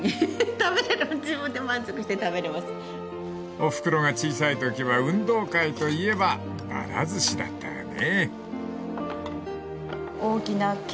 ［おふくろが小さいときは運動会といえばばら寿司だったがね］